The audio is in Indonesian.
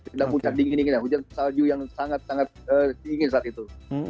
sedang puncat dingin dingin ya hujan salju yang sangat sangat dingin saat itu